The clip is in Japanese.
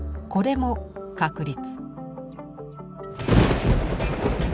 これも確率。